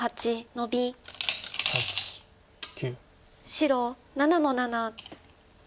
白７の七。